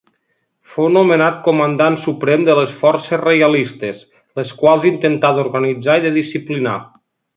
Fou nomenat comandant suprem de les forces reialistes, les quals intentà d'organitzar i de disciplinar.